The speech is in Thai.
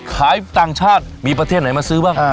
ต่างชาติมีประเทศไหนมาซื้อบ้าง